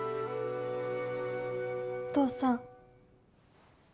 お父さん。